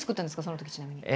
そのときちなみに。